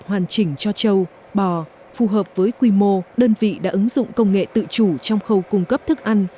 hoàn chỉnh cho châu bò phù hợp với quy mô đơn vị đã ứng dụng công nghệ tự chủ trong khâu cung cấp thức ăn